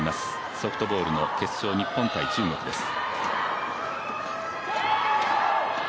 ソフトボールの決勝日本×中国です。